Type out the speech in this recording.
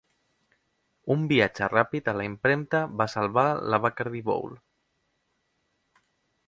Un viatge ràpid a la impremta va salvar la Bacardi Bowl.